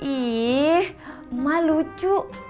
ih emak lucu